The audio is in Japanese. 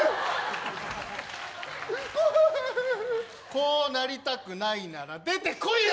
こうなりたくないなら出てこいよ！